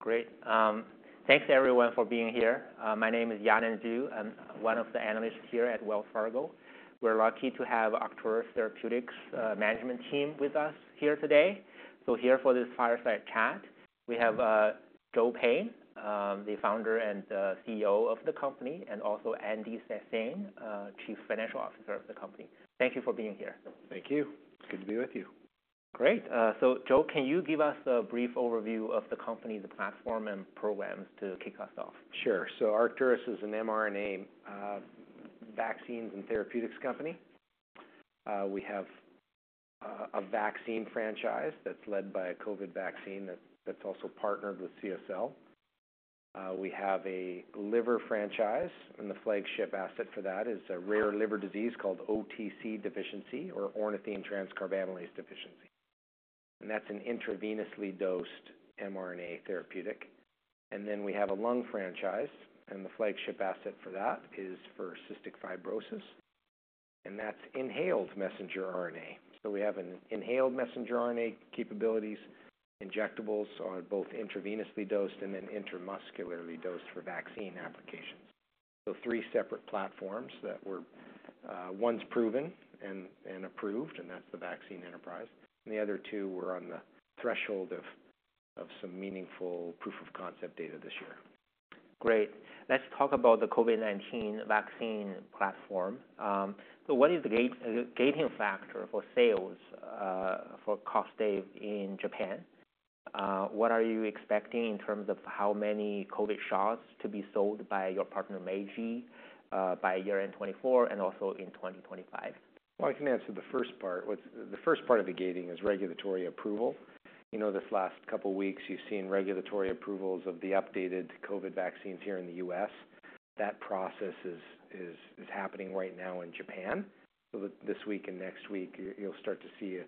Great. Thanks everyone for being here. My name is Yanan Zhu. I'm one of the analysts here at Wells Fargo. We're lucky to have Arcturus Therapeutics' management team with us here today. So here for this fireside chat, we have Joe Payne, the founder and CEO of the company, and also Andy Sassine, Chief Financial Officer of the company. Thank you for being here. Thank you. It's good to be with you. Great. So Joe, can you give us a brief overview of the company, the platform, and programs to kick us off? Sure. So Arcturus is an mRNA vaccines and therapeutics company. We have a vaccine franchise that's led by a COVID vaccine that's also partnered with CSL. We have a liver franchise, and the flagship asset for that is a rare liver disease called OTC deficiency, or ornithine transcarbamylase deficiency, and that's an intravenously dosed mRNA therapeutic. And then we have a lung franchise, and the flagship asset for that is for cystic fibrosis, and that's inhaled messenger RNA. So we have an inhaled messenger RNA capabilities, injectables on both intravenously dosed and then intramuscularly dosed for vaccine applications. So three separate platforms that we're one's proven and approved, and that's the vaccine enterprise, and the other two were on the threshold of some meaningful proof of concept data this year. Great. Let's talk about the COVID-19 vaccine platform. So what is the gating factor for sales for Kostaive in Japan? What are you expecting in terms of how many COVID shots to be sold by your partner, Meiji, by year-end 2024 and also in 2025? I can answer the first part, which the first part of the gating is regulatory approval. You know, this last couple weeks, you've seen regulatory approvals of the updated COVID vaccines here in the U.S. That process is happening right now in Japan. So this week and next week, you'll start to see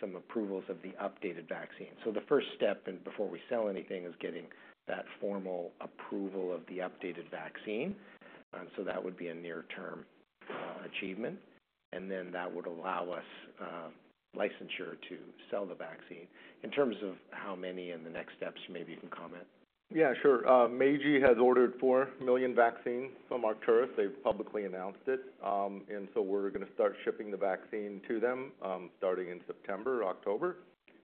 some approvals of the updated vaccine. So the first step, and before we sell anything, is getting that formal approval of the updated vaccine. So that would be a near-term achievement, and then that would allow us licensure to sell the vaccine. In terms of how many and the next steps, maybe you can comment. Yeah, sure. Meiji has ordered four million vaccines from Arcturus. They've publicly announced it. And so we're going to start shipping the vaccine to them, starting in September or October.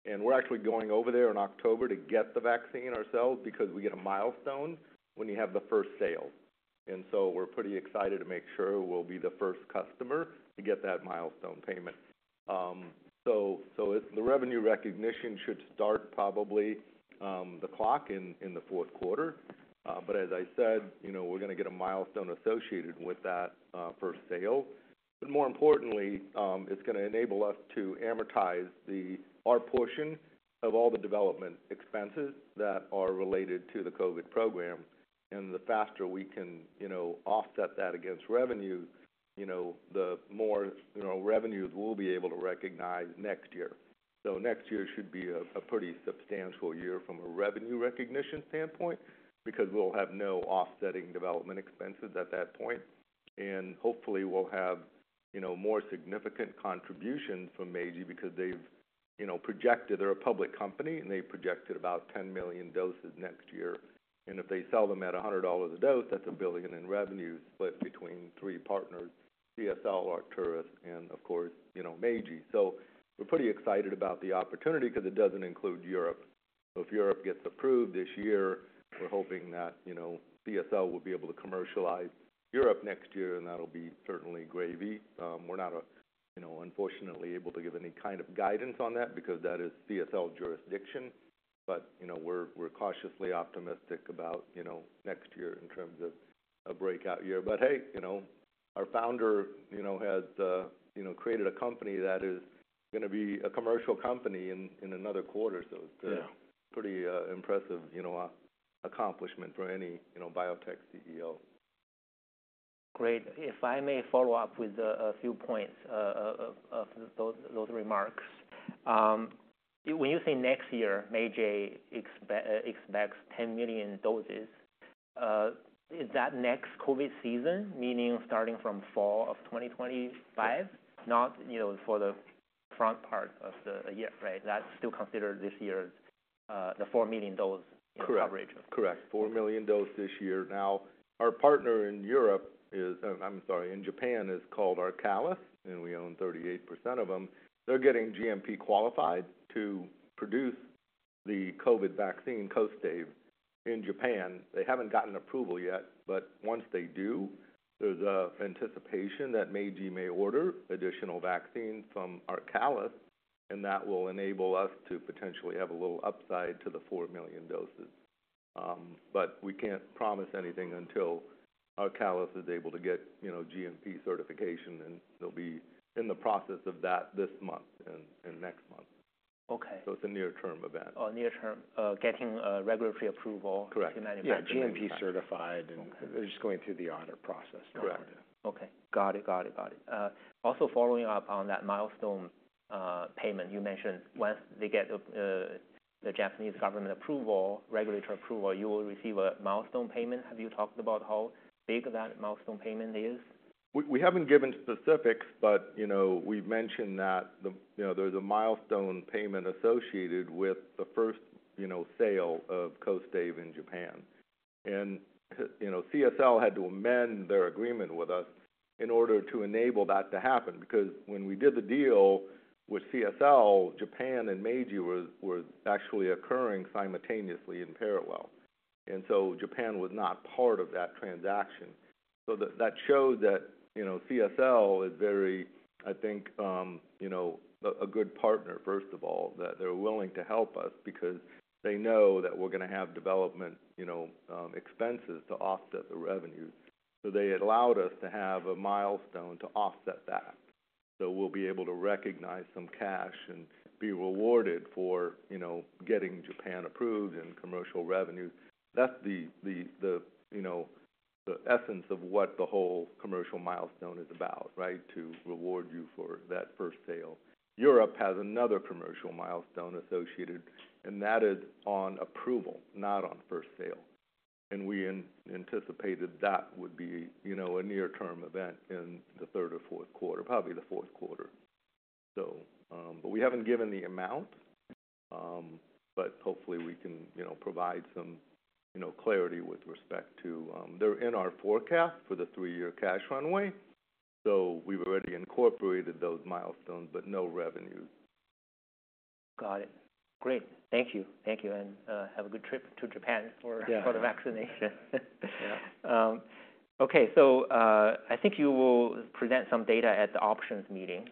And we're actually going over there in October to get the vaccine ourselves because we get a milestone when you have the first sale, and so we're pretty excited to make sure we'll be the first customer to get that milestone payment. So it's the revenue recognition should start probably the clock in the fourth quarter. But as I said, you know, we're going to get a milestone associated with that first sale. But more importantly, it's going to enable us to amortize our portion of all the development expenses that are related to the COVID program, and the faster we can, you know, offset that against revenue, you know, the more, you know, revenues we'll be able to recognize next year. So next year should be a pretty substantial year from a revenue recognition standpoint, because we'll have no offsetting development expenses at that point. And hopefully, we'll have, you know, more significant contribution from Meiji because they've, you know, projected... They're a public company, and they've projected about 10 million doses next year. And if they sell them at $100 a dose, that's $1 billion in revenue split between three partners, CSL, Arcturus, and of course, you know, Meiji. So we're pretty excited about the opportunity because it doesn't include Europe. So if Europe gets approved this year, we're hoping that, you know, CSL will be able to commercialize Europe next year, and that'll be certainly gravy. We're not, you know, unfortunately able to give any kind of guidance on that because that is CSL's jurisdiction, but, you know, we're cautiously optimistic about, you know, next year in terms of a breakout year. But hey, you know, our founder, you know, has you know, created a company that is going to be a commercial company in another quarter or so. It's a pretty impressive, you know, accomplishment for any, you know, biotech CEO. Great. If I may follow up with a few points of those remarks. When you say next year, Meiji expects 10 million doses, is that next COVID season, meaning starting from fall of 2025? Not, you know, for the front part of the year, right? That's still considered this year's, the four million dose order right?. Correct. Four million dose this year. Now, our partner in Europe is... in Japan, is called ARCALIS, and we own 38% of them. They're getting GMP qualified to produce the COVID vaccine, Kostaive, in Japan. They haven't gotten approval yet, but once they do, there's an anticipation that Meiji may order additional vaccines from ARCALIS, and that will enable us to potentially have a little upside to the four million doses. But we can't promise anything until ARCALIS is able to get, you know, GMP certification, and they'll be in the process of that this month and next month. It's a near-term event. Oh, near term, getting regulatory approval in many Yeah, GMP certified and they're just going through the audit process now. Okay. Got it, got it, got it. Also following up on that milestone payment, you mentioned once they get the Japanese government approval, regulatory approval, you will receive a milestone payment. Have you talked about how big that milestone payment is? We haven't given specifics, but, you know, we've mentioned that the, you know, there's a milestone payment associated with the first, you know, sale of Kostaive in Japan. And, you know, CSL had to amend their agreement with us in order to enable that to happen, because when we did the deal with CSL, Japan and Meiji was actually occurring simultaneously in parallel. And so Japan was not part of that transaction. So that shows that, you know, CSL is very, I think, you know, a good partner, first of all, that they're willing to help us because they know that we're gonna have development, you know, expenses to offset the revenues. So they allowed us to have a milestone to offset that. So we'll be able to recognize some cash and be rewarded for, you know, getting Japan approved and commercial revenues. That's the you know the essence of what the whole commercial milestone is about, right? To reward you for that first sale. Europe has another commercial milestone associated, and that is on approval, not on first sale. And we anticipated that would be, you know, a near-term event in the third or fourth quarter, probably the fourth quarter. So, but we haven't given the amount, but hopefully we can, you know, provide some you know clarity with respect to... They're in our forecast for the three-year cash runway, so we've already incorporated those milestones, but no revenues. Got it. Great. Thank you. Thank you, and, have a good trip to Japan for the vaccination. Okay, so, I think you will present some data at the Options meeting,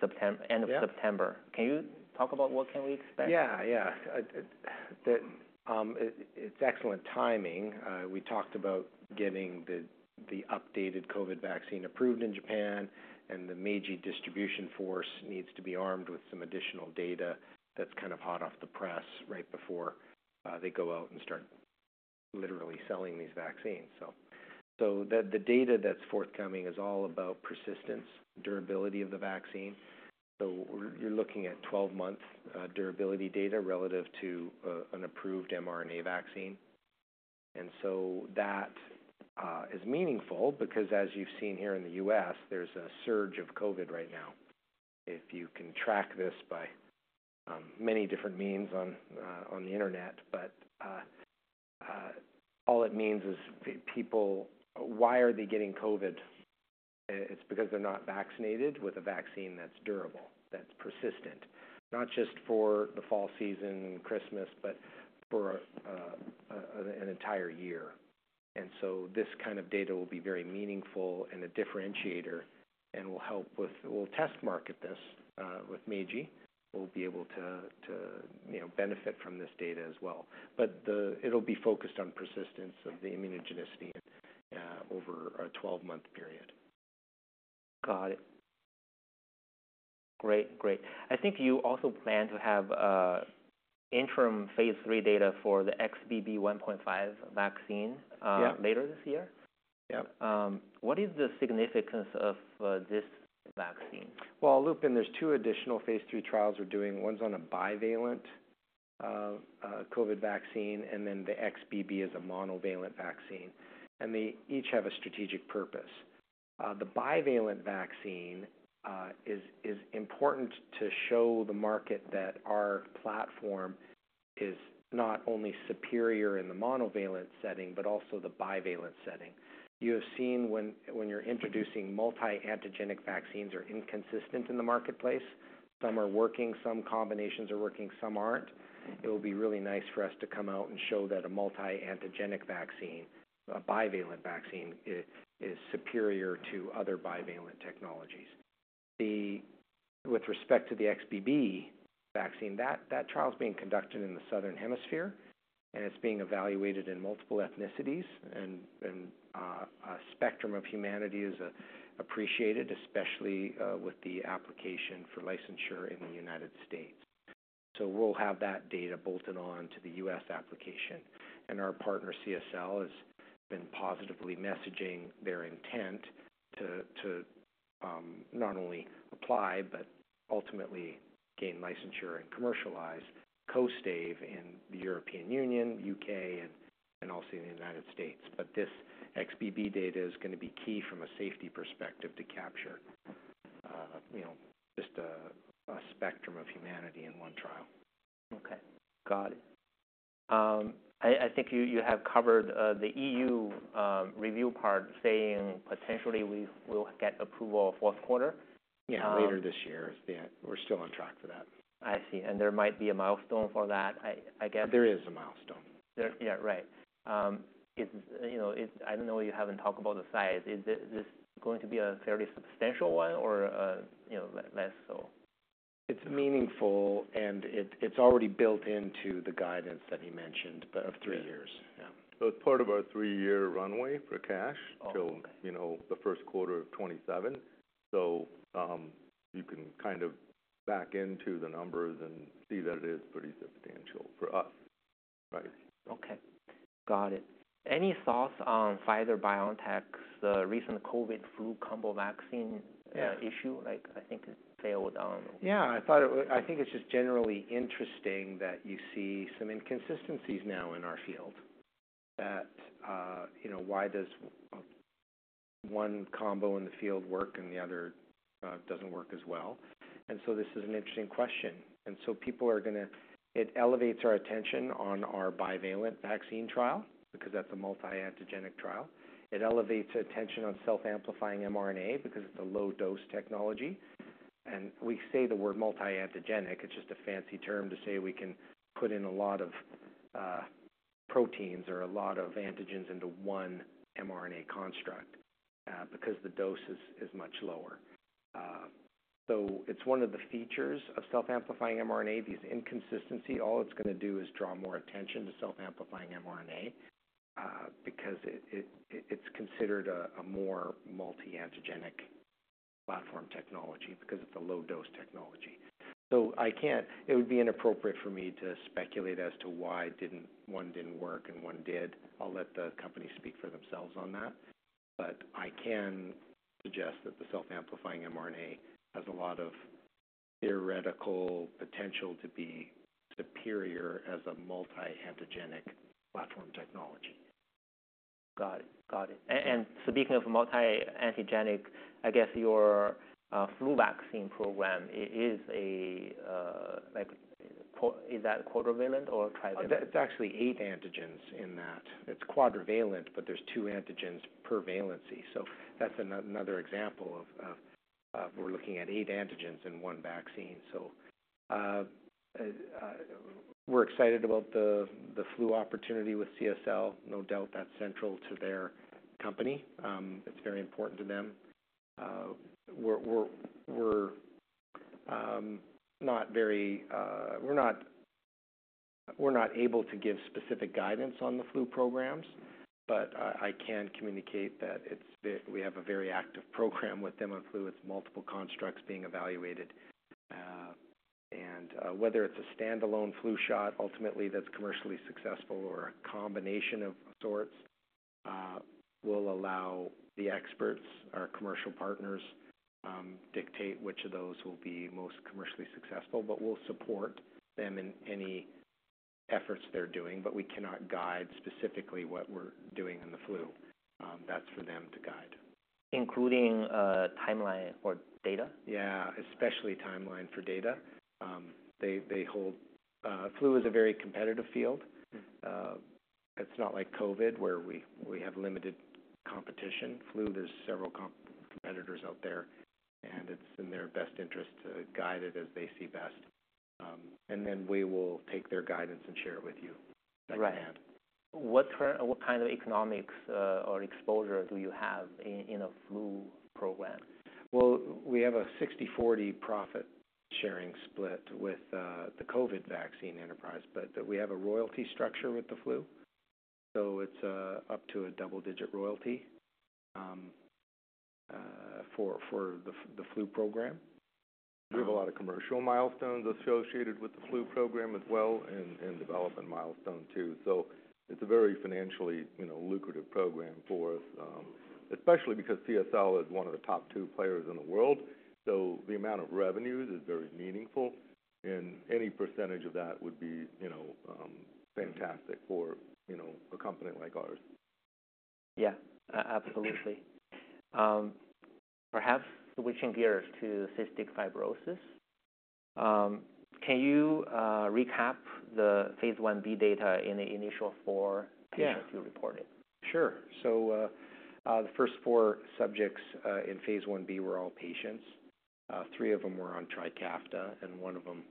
September. End of September. Can you talk about what can we expect? Yeah. It's excellent timing. We talked about getting the updated COVID vaccine approved in Japan, and the Meiji distribution force needs to be armed with some additional data that's kind of hot off the press, right before they go out and start literally selling these vaccines, so. So the data that's forthcoming is all about persistence, durability of the vaccine. So you're looking at twelve-month durability data relative to an approved mRNA vaccine. And so that is meaningful because as you've seen here in the U.S., there's a surge of COVID right now. If you can track this by many different means on the internet, but all it means is people, why are they getting COVID? It's because they're not vaccinated with a vaccine that's durable, that's persistent. Not just for the fall season, Christmas, but for an entire year. And so this kind of data will be very meaningful and a differentiator, and will help with... We'll test market this with Meiji. We'll be able to you know, benefit from this data as well. But it'll be focused on persistence of the immunogenicity over a twelve-month period. Got it. Great, great. I think you also plan to have interim phase III data for the XBB.1.5 vaccine later this year? What is the significance of this vaccine? Listen, there's two additional phase III trials we're doing. One's on a bivalent COVID vaccine, and then the XBB is a monovalent vaccine, and they each have a strategic purpose. The bivalent vaccine is important to show the market that our platform is not only superior in the monovalent setting, but also the bivalent setting. You have seen when you're introducing multi-antigenic vaccines are inconsistent in the marketplace. Some are working, some combinations are working, some aren't. It will be really nice for us to come out and show that a multi-antigenic vaccine, a bivalent vaccine, is superior to other bivalent technologies. With respect to the XBB vaccine, that trial is being conducted in the Southern Hemisphere, and it's being evaluated in multiple ethnicities. A spectrum of humanity is appreciated, especially with the application for licensure in the United States. We'll have that data bolted on to the U.S. application. Our partner, CSL, has been positively messaging their intent to not only apply, but ultimately gain licensure and commercialize Kostaive in the European Union, U.K., and also in the United States. This XBB data is gonna be key from a safety perspective to capture, you know, just a spectrum of humanity in one trial. Okay. Got it. I think you have covered the EU review part, saying potentially we will get approval fourth quarter. Yeah, later this year. Yeah, we're still on track for that. I see. And there might be a milestone for that, I guess? There is a milestone. Yeah, right. It's, you know, it's. I don't know, you haven't talked about the size. Is this going to be a fairly substantial one or, you know, less so? It's meaningful, and it's already built into the guidance that we mentioned, but of three years. So it's part of our three-year runway for cash till, you know, the first quarter of 2027. So you can kind of back into the numbers and see that it is pretty substantial for us. Right. Okay. Got it. Any thoughts on Pfizer BioNTech's recent COVID flu combo vaccine issue? Like, I think it failed, Yeah, I think it's just generally interesting that you see some inconsistencies now in our field. That, you know, why does one combo in the field work and the other doesn't work as well. And so this is an interesting question, and it elevates our attention on our bivalent vaccine trial because that's a multi-antigenic trial. It elevates attention on self-amplifying mRNA because it's a low-dose technology. And we say the word multi-antigenic, it's just a fancy term to say we can put in a lot of proteins or a lot of antigens into one mRNA construct because the dose is much lower. So it's one of the features of self-amplifying mRNA, these inconsistencies. All it's going to do is draw more attention to self-amplifying mRNA, because it's considered a more multi-antigenic platform technology because it's a low-dose technology. It would be inappropriate for me to speculate as to why one didn't work and one did. I'll let the company speak for themselves on that, but I can suggest that the self-amplifying mRNA has a lot of theoretical potential to be superior as a multi-antigenic platform technology. Got it. And so speaking of multi-antigenic, I guess your flu vaccine program is, like, is that quadrivalent or trivalent? That's actually eight antigens in that. It's quadrivalent, but there's two antigens per valency, so that's another example of we're looking at eight antigens in one vaccine, so we're excited about the flu opportunity with CSL. No doubt that's central to their company. It's very important to them. We're not able to give specific guidance on the flu programs, but I can communicate that it's we have a very active program with them on flu. It's multiple constructs being evaluated, and whether it's a standalone flu shot, ultimately that's commercially successful or a combination of sorts, we'll allow the experts, our commercial partners, dictate which of those will be most commercially successful, but we'll support them in any efforts they're doing. But we cannot guide specifically what we're doing in the flu. That's for them to guide. Including timeline for data? Yeah, especially timeline for data. They hold, flu is a very competitive field. It's not like COVID, where we have limited competition. Flu, there's several competitors out there, and it's in their best interest to guide it as they see best. And then we will take their guidance and share it with you secondhand. Right. What kind of economics or exposure do you have in a flu program? We have a 60/40 profit-sharing split with the COVID vaccine enterprise, but we have a royalty structure with the flu, so it's up to a double-digit royalty for the flu program. We have a lot of commercial milestones associated with the flu program as well and development milestone too. So it's a very financially, you know, lucrative program for us, especially because CSL is one of the top two players in the world. So the amount of revenues is very meaningful, and any percentage of that would be, you know, fantastic for, you know, a company like ours. Yeah, absolutely. Perhaps we can turn to cystic fibrosis. Can you recap the phase 1b data in the initial four patients you reported? Sure. So, the first four subjects in phase 1b were all patients. Three of them were on Trikafta, and one of them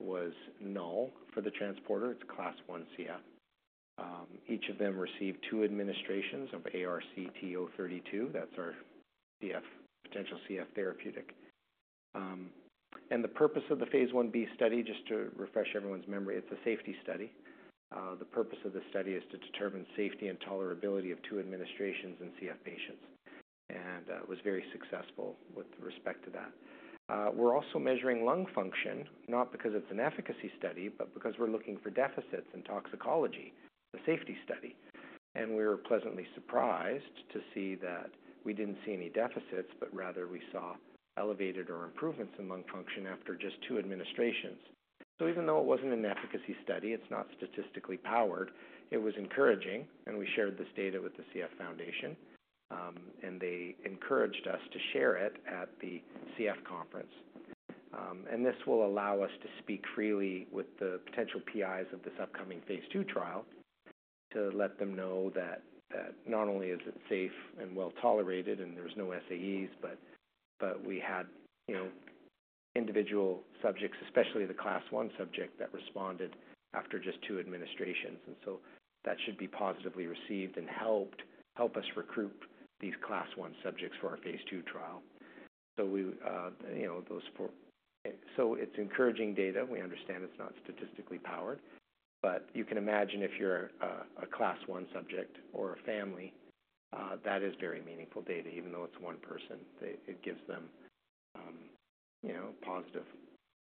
was null for the transporter. It's Class I CF. Each of them received two administrations of ARCT-032. That's our CF potential CF therapeutic. And the purpose of the phase 1b study, just to refresh everyone's memory, it's a safety study. The purpose of the study is to determine safety and tolerability of two administrations in CF patients, and it was very successful with respect to that. We're also measuring lung function, not because it's an efficacy study, but because we're looking for deficits in toxicology, the safety study. And we were pleasantly surprised to see that we didn't see any deficits, but rather we saw elevated or improvements in lung function after just two administrations. So even though it wasn't an efficacy study, it's not statistically powered, it was encouraging, and we shared this data with the CF Foundation, and they encouraged us to share it at the CF conference. And this will allow us to speak freely with the potential PIs of this upcoming phase two trial, to let them know that not only is it safe and well-tolerated and there's no SAEs, but we had, you know, individual subjects, especially the Class I subject, that responded after just two administrations. And so that should be positively received and help us recruit these Class I subjects for our phase two trial. So, you know, it's encouraging data. We understand it's not statistically powered, but you can imagine if you're a Class I subject or a family, that is very meaningful data, even though it's one person. It gives them, you know, positive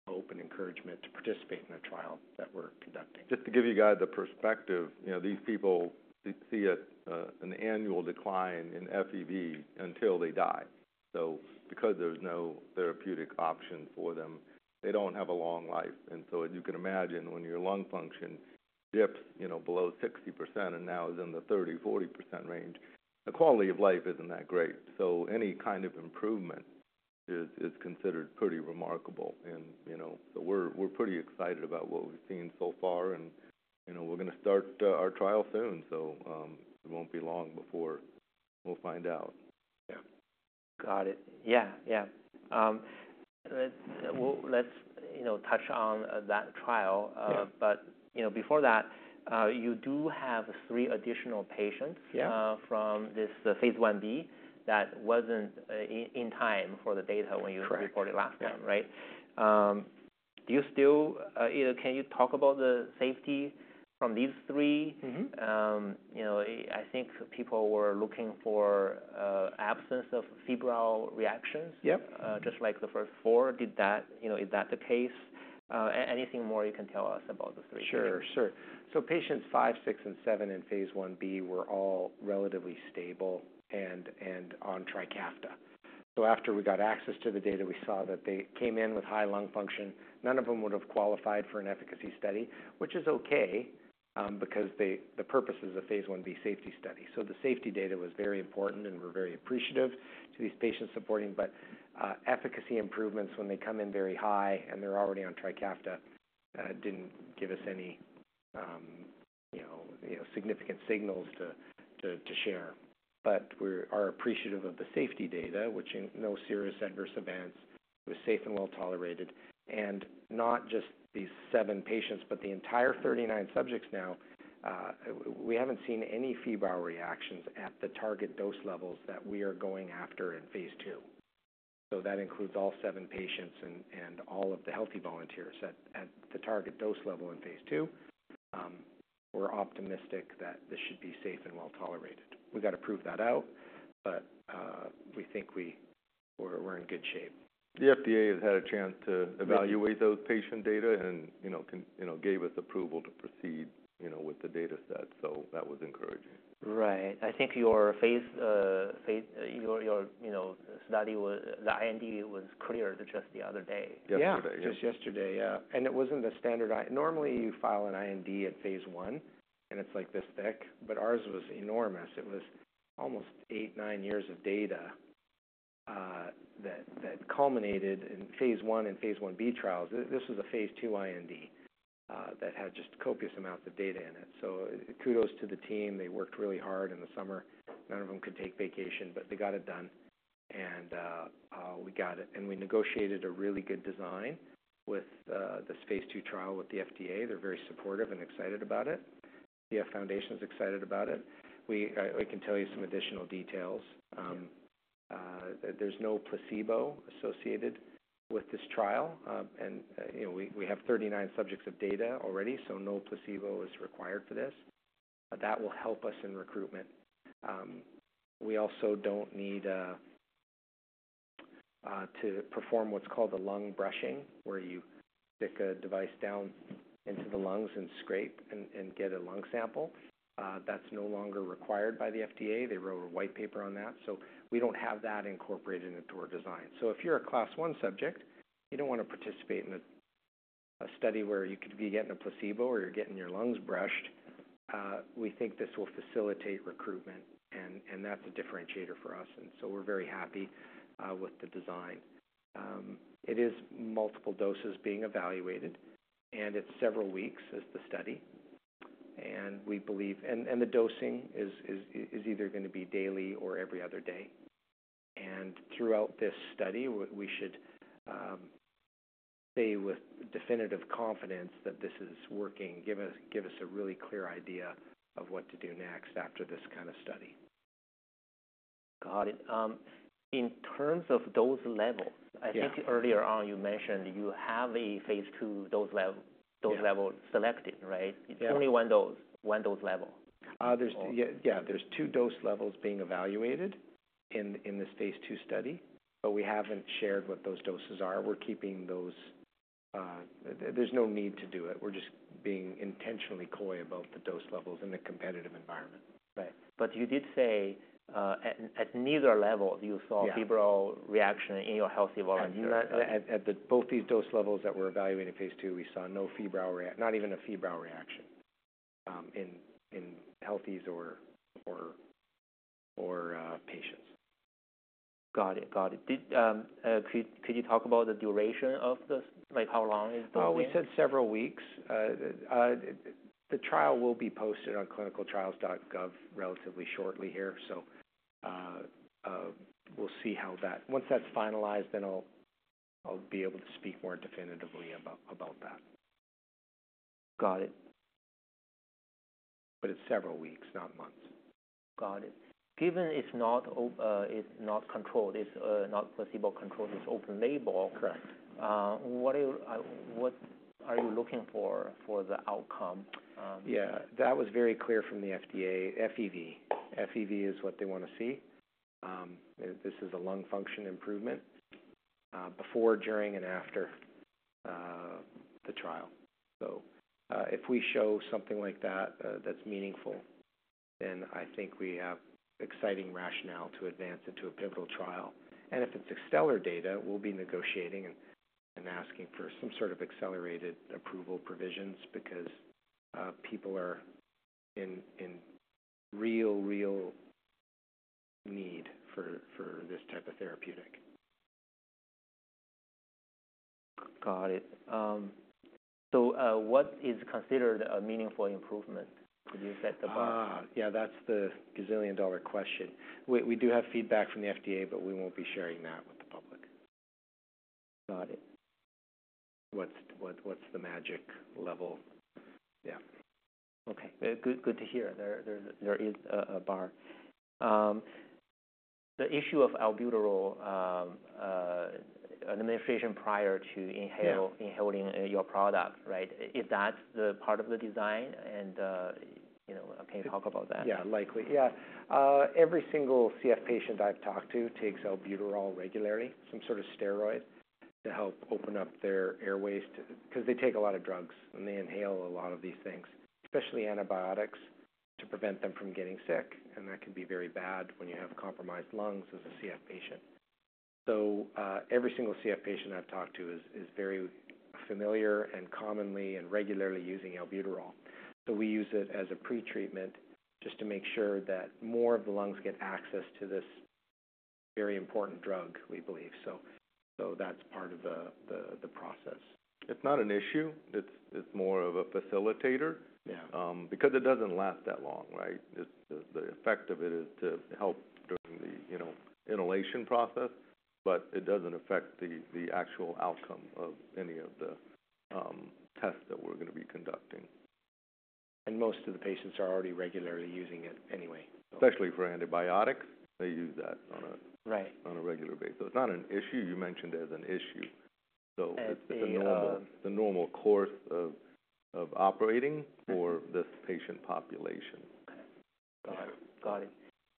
hope and encouragement to participate in a trial that we're conducting. Just to give you guys a perspective, you know, these people see an annual decline in FEV until they die. So because there's no therapeutic option for them, they don't have a long life. And so you can imagine when your lung function dips, you know, below 60% and now is in the 30%-40% range, the quality of life isn't that great. So any kind of improvement is considered pretty remarkable, and, you know, so we're pretty excited about what we've seen so far. And, you know, we're gonna start our trial soon, so it won't be long before we'll find out. Yeah. Got it. Yeah, yeah. Let's, you know, touch on that trial. Yeah. But, you know, before that, you do have three additional patients. Yeah. From this phase Ib that wasn't in time for the data when you reported last time, right? Do you still... Can you talk about the safety from these three? Mm-hmm. You know, I think people were looking for absence of febrile reactions. Yep... just like the first four. Did that, you know, is that the case? Anything more you can tell us about the three? Sure. So patients five, six, and seven in phase Ib were all relatively stable and on Trikafta. So after we got access to the data, we saw that they came in with high lung function. None of them would have qualified for an efficacy study, which is okay, because they, the purpose is a phase Ib safety study. So the safety data was very important, and we're very appreciative to these patients supporting. Efficacy improvements when they come in very high and they're already on Trikafta didn't give us any you know significant signals to share. We are appreciative of the safety data, which had no serious adverse events. It was safe and well-tolerated. Not just these seven patients, but the entire 39 subjects now, we haven't seen any febrile reactions at the target dose levels that we are going after in phase II. That includes all seven patients and all of the healthy volunteers at the target dose level in phase II. We're optimistic that this should be safe and well-tolerated. We've got to prove that out, but we think we're in good shape. The FDA has had a chance to evaluate those patient data and, you know, and, you know, gave us approval to proceed, you know, with the data set. So that was encouraging. Right. I think your phase your you know study was. The IND was cleared just the other day. Yesterday. Yeah, just yesterday. Yeah, and it wasn't the standard. Normally, you file an IND at phase I, and it's like this thick, but ours was enormous. It was almost eight, nine years of data that that culminated in phase I and phase Ib trials. This was a phase II IND that had just copious amounts of data in it. So kudos to the team. They worked really hard in the summer. None of them could take vacation, but they got it done, and we got it. We negotiated a really good design with this phase II trial with the FDA. They're very supportive and excited about it. The foundation is excited about it. I can tell you some additional details. Yeah. There's no placebo associated with this trial, and you know, we have 39 subjects of data already, so no placebo is required for this. That will help us in recruitment. We also don't need to perform what's called a lung brushing, where you stick a device down into the lungs and scrape and get a lung sample. That's no longer required by the FDA. They wrote a white paper on that, so we don't have that incorporated into our design. If you're a Class I subject, you don't want to participate in a study where you could be getting a placebo or you're getting your lungs brushed. We think this will facilitate recruitment, and that's a differentiator for us, and so we're very happy with the design. It is multiple doses being evaluated, and it's several weeks is the study, and we believe and the dosing is either gonna be daily or every other day. Throughout this study, we should say with definitive confidence that this is working. Give us a really clear idea of what to do next after this kind of study. Got it. In terms of dose level. Yeah. I think earlier on, you mentioned you have a phase II dose level selected, right? Yeah. Tell me what those levels? There's two dose levels being evaluated in this phase II study, but we haven't shared what those doses are. We're keeping those. There's no need to do it. We're just being intentionally coy about the dose levels in the competitive environment. Right. But you did say at neither level, you saw febrile reaction in your healthy volunteers. Yeah. At both these dose levels that we're evaluating in phase II, we saw no febrile reaction, not even a febrile reaction in healthies or patients. Got it. Got it. Could you talk about the duration of this? Like, how long is the? We said several weeks. The trial will be posted on clinicaltrials.gov relatively shortly here. So, we'll see how that. Once that's finalized, then I'll be able to speak more definitively about that. Got it. But it's several weeks, not months. Got it. Given it's not, it's not controlled, it's not placebo-controlled, it's open label. Correct. What are you looking for for the outcome? Yeah, that was very clear from the FDA, FEV. FEV is what they want to see. This is a lung function improvement before, during, and after the trial. So, if we show something like that, that's meaningful, then I think we have exciting rationale to advance into a pivotal trial. And if it's stellar data, we'll be negotiating and asking for some sort of accelerated approval provisions because people are in real need for this type of therapeutic. Got it. So, what is considered a meaningful improvement? Could you set the bar? Ah! Yeah, that's the gazillion-dollar question. We do have feedback from the FDA, but we won't be sharing that with the public. Got it. What's the magic level? Yeah. Okay. Good to hear there is a bar. The issue of albuterol administration prior to inhale inhaling your product, right? Is that the part of the design? And, you know, can you talk about that? Yeah, likely. Yeah. Every single CF patient I've talked to takes albuterol regularly, some sort of steroid, to help open up their airways to... 'Cause they take a lot of drugs, and they inhale a lot of these things, especially antibiotics, to prevent them from getting sick, and that can be very bad when you have compromised lungs as a CF patient. So every single CF patient I've talked to is very familiar and commonly and regularly using albuterol. So we use it as a pre-treatment just to make sure that more of the lungs get access to this very important drug, we believe. So that's part of the process. It's not an issue. It's, it's more of a facilitator. Because it doesn't last that long, right? It's the effect of it is to help during the, you know, inhalation process, but it doesn't affect the actual outcome of any of the tests that we're gonna be conducting. Most of the patients are already regularly using it anyway, so. Especially for antibiotics, they use that on a regular basis. It's not an issue. You mentioned it as an issue. So It's the normal course of operating for this patient population. Got it.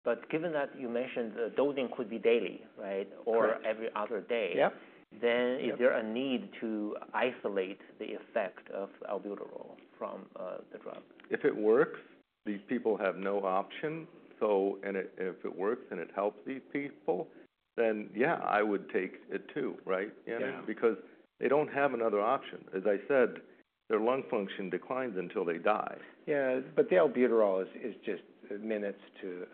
But given that you mentioned the dosing could be daily, right? Or every other day. Then is there a need to isolate the effect of Albuterol from the drug? If it works, these people have no option, so... And if it works and it helps these people, then yeah, I would take it too, right? You know, because they don't have another option. As I said, their lung function declines until they die. Yeah, but the albuterol is just minutes to,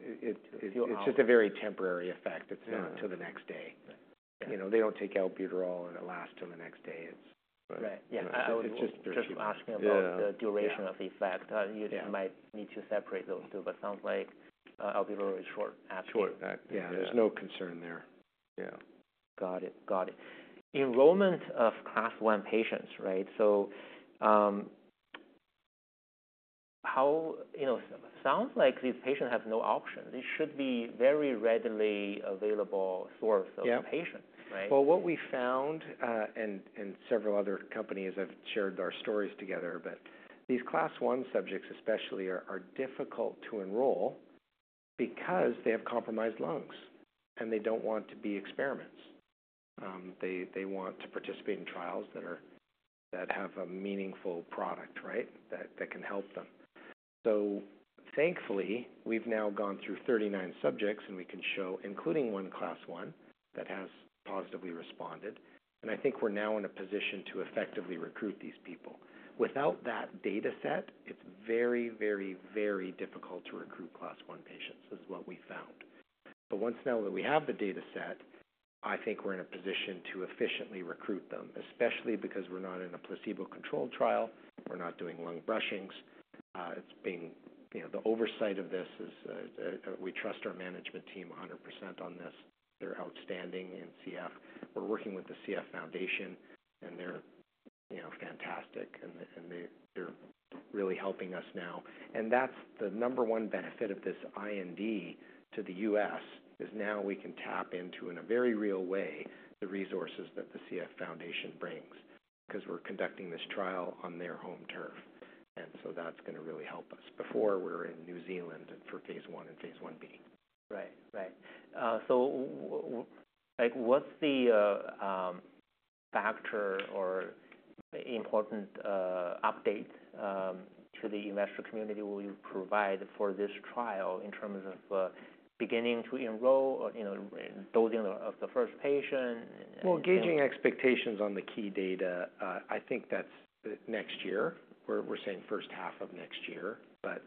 it's just a very temporary effect, it's not till the next day. You know, they don't take Albuterol, and it lasts till the next day. It's just- Just asking about the duration of effect. You might need to separate those two, but sounds like Albuterol is short acting. Short. That, yeah. There's no concern there. Yeah. Got it. Enrollment of Class I patients, right? So, you know, sounds like these patients have no option. This should be very readily available source of patients, right? Well, what we found, and several other companies have shared our stories together, but these Class One subjects especially are difficult to enroll because they have compromised lungs, and they don't want to be experiments. They want to participate in trials that have a meaningful product, right? That can help them. So thankfully, we've now gone through 39 subjects, and we can show, including one Class One that has positively responded, and I think we're now in a position to effectively recruit these people. Without that data set, it's very, very, very difficult to recruit Class One patients. This is what we found. But once now that we have the data set, I think we're in a position to efficiently recruit them, especially because we're not in a placebo-controlled trial. We're not doing lung brushings. It's being... You know, the oversight of this is, we trust our management team 100% on this. They're outstanding in CF. We're working with the CF Foundation, and they're, you know, fantastic, and they, and they're really helping us now, and that's the number one benefit of this IND to the U.S., is now we can tap into, in a very real way, the resources that the CF Foundation brings 'cause we're conducting this trial on their home turf, and so that's gonna really help us. Before, we were in New Zealand for phase I and phase Ia. Right. So like, what's the factor or important update to the investor community will you provide for this trial in terms of beginning to enroll or, you know, dosing of the first patient and, and- Gauging expectations on the key data, I think that's next year. We're saying first half of next year, but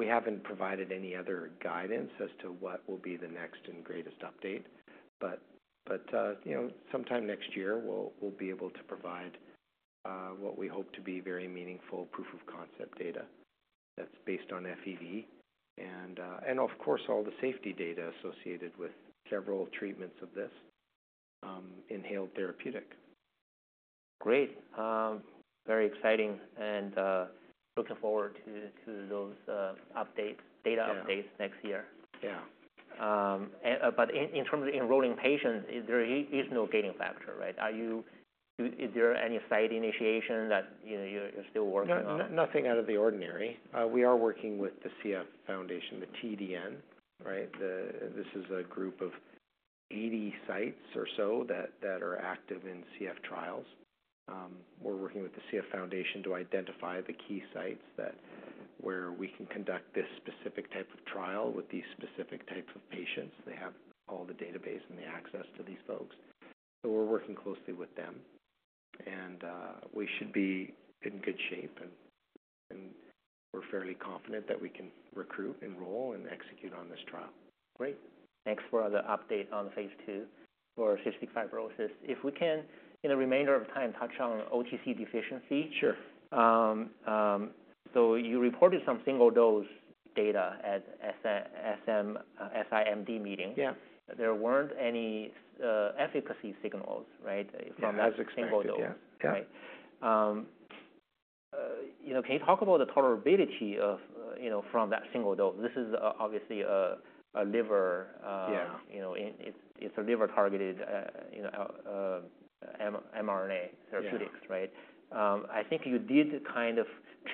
we haven't provided any other guidance as to what will be the next and greatest update. But you know, sometime next year, we'll be able to provide what we hope to be very meaningful proof of concept data that's based on FEV. And of course, all the safety data associated with several treatments of this inhaled therapeutic. Great. Very exciting, and looking forward to those updates, data updates next year. In terms of enrolling patients, is there no gating factor, right? Is there any site initiation that, you know, you're still working on? No, nothing out of the ordinary. We are working with the CF Foundation, the TDN, right? This is a group of eighty sites or so that are active in CF trials. We're working with the CF Foundation to identify the key sites where we can conduct this specific type of trial with these specific type of patients. They have all the database and the access to these folks, so we're working closely with them. We should be in good shape, and we're fairly confident that we can recruit, enroll, and execute on this trial. Great. Thanks for the update on the phase two for cystic fibrosis. If we can, in the remainder of time, touch on OTC deficiency. So you reported some single-dose data at the SIMD meeting? There weren't any efficacy signals, right? Yeah, as expected. From that single dose. Right. You know, can you talk about the tolerability of, you know, from that single dose? This is obviously a liver, you know, it, it's a liver-targeted, you know, mRNA therapeutics. Right? I think you did kind of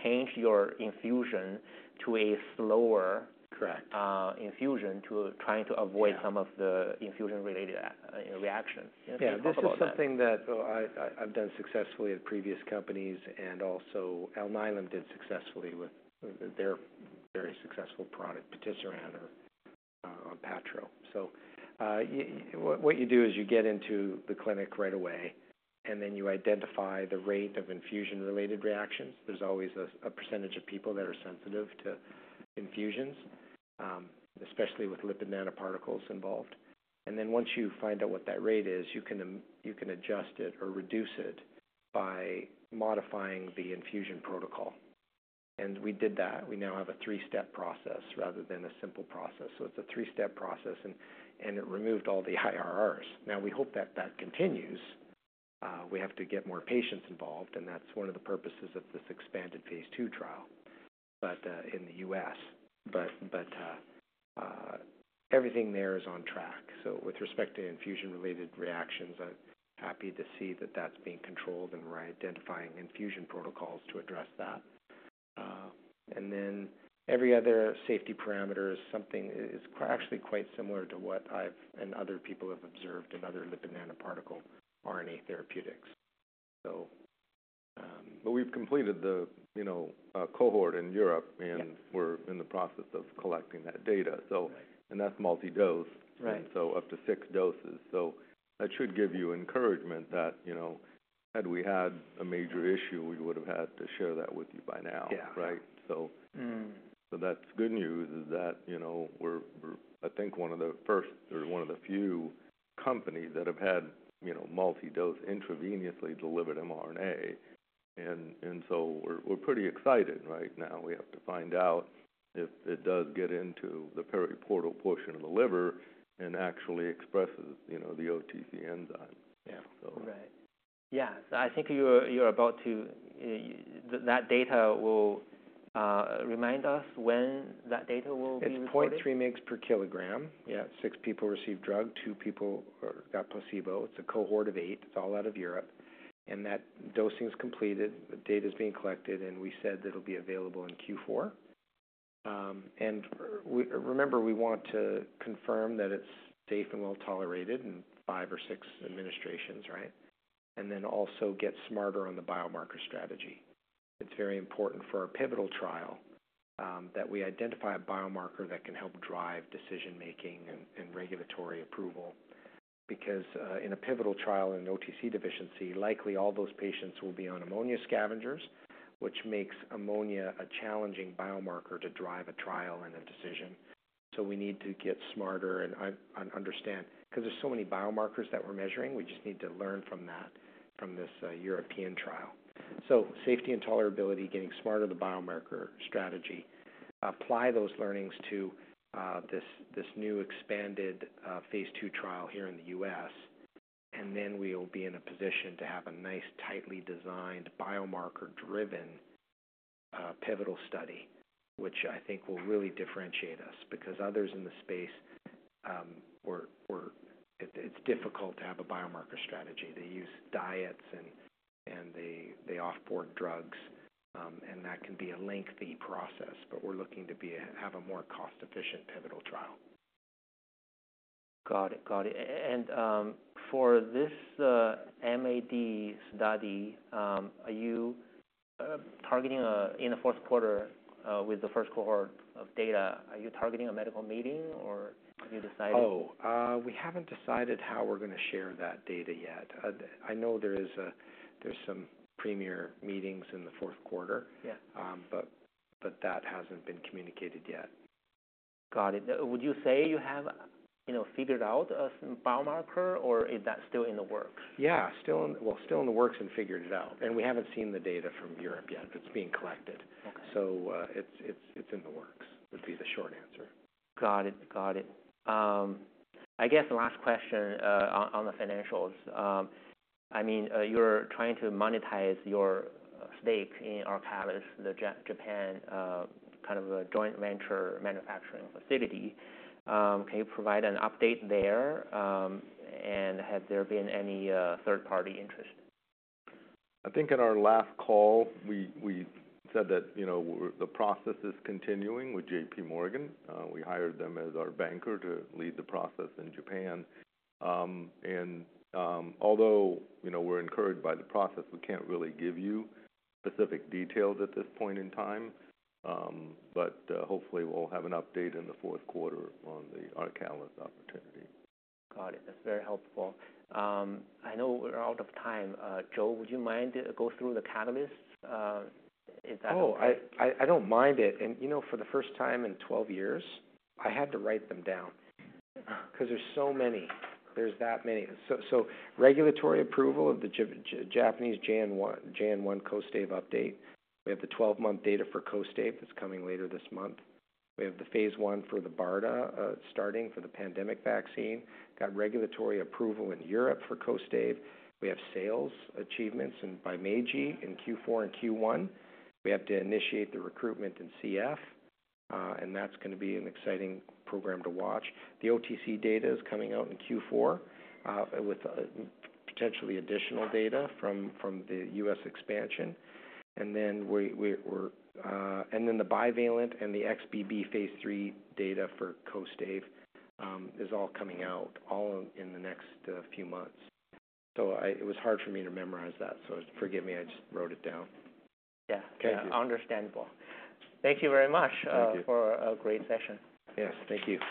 change your infusion to a slower infusion to trying to avoid some of the infusion-related, you know, reactions. Can you talk about that? This is something that I've done successfully at previous companies and also Alnylam did successfully with their very successful product, Patisiran or Onpattro. What you do is you get into the clinic right away, and then you identify the rate of infusion-related reactions. There's always a percentage of people that are sensitive to infusions, especially with lipid nanoparticles involved, and then once you find out what that rate is, you can adjust it or reduce it by modifying the infusion protocol, and we did that. We now have a three-step process rather than a simple process, so it's a three-step process, and it removed all the IRRs. Now, we hope that that continues. We have to get more patients involved, and that's one of the purposes of this expanded phase two trial, but in the US. But everything there is on track. So with respect to infusion-related reactions, I'm happy to see that that's being controlled, and we're identifying infusion protocols to address that. And then every other safety parameter is actually quite similar to what I've and other people have observed in other lipid nanoparticle RNA therapeutics. So, but we've completed the, you know, cohort in Europe. And we're in the process of collecting that data. So, and that's multi-dose. And so up to six doses. So that should give you encouragement that, you know, had we had a major issue, we would've had to share that with you by now. So that's good news, you know, we're I think one of the first or one of the few companies that have had, you know, multi-dose intravenously delivered mRNA. And so we're pretty excited right now. We have to find out if it does get into the periportal portion of the liver and actually expresses, you know, the OTC enzyme. Right. Yeah, I think you're about to remind us when that data will be recorded? It's 0.3 mg per kilogram. Six people received drug; two people got placebo. It's a cohort of eight. It's all out of Europe, and that dosing is completed. The data's being collected, and we said that it'll be available in Q4. And remember, we want to confirm that it's safe and well-tolerated in five or six administrations, right? And then also get smarter on the biomarker strategy. It's very important for our pivotal trial that we identify a biomarker that can help drive decision-making and regulatory approval. Because in a pivotal trial in OTC deficiency, likely all those patients will be on ammonia scavengers, which makes ammonia a challenging biomarker to drive a trial and a decision. So we need to get smarter, and I understand, 'cause there's so many biomarkers that we're measuring, we just need to learn from that, from this European trial. So safety and tolerability, getting smarter the biomarker strategy, apply those learnings to this new expanded phase two trial here in the U.S., and then we'll be in a position to have a nice, tightly designed, biomarker-driven pivotal study, which I think will really differentiate us. Because others in the space were. It's difficult to have a biomarker strategy. They use diets, and they off-board drugs, and that can be a lengthy process. But we're looking to have a more cost-efficient pivotal trial. Got it. And for this MAD study, are you targeting in the fourth quarter with the first cohort of data, are you targeting a medical meeting, or have you decided? Oh, we haven't decided how we're gonna share that data yet. I know there's some premier meetings in the fourth quarter. But that hasn't been communicated yet. Got it. Would you say you have, you know, figured out a biomarker, or is that still in the works? Still in the works and figured it out. We haven't seen the data from Europe yet. It's being collected. It's in the works, would be the short answer. Got it, got it. I guess the last question on the financials. I mean, you're trying to monetize your stake in ARCALIS, the Japan kind of a joint venture manufacturing facility. Can you provide an update there, and have there been any third-party interest? I think in our last call, we said that, you know, the process is continuing with J.P. Morgan. We hired them as our banker to lead the process in Japan, and although, you know, we're encouraged by the process, we can't really give you specific details at this point in time, but hopefully, we'll have an update in the fourth quarter on the ARCALIS opportunity. Got it. That's very helpful. I know we're out of time. Joe, would you mind to go through the catalysts? Is that- Oh, I don't mind it. And, you know, for the first time in twelve years, I had to write them down 'cause there's so many. There's that many. So regulatory approval of the Japanese JN.1 Kostaive update. We have the twelve-month data for Kostaive that's coming later this month. We have the phase 1 for the BARDA starting for the pandemic vaccine, got regulatory approval in Europe for Kostaive. We have sales achievements by Meiji in Q4 and Q1. We have to initiate the recruitment in CF, and that's gonna be an exciting program to watch. The OTC data is coming out in Q4, with potentially additional data from the U.S. expansion. And then we're. And then the bivalent and the XBB phase three data for Kostaive is all coming out, all in the next few months. So it was hard for me to memorize that, so forgive me. I just wrote it down. Understandable. Thank you very much for a great session. Thank you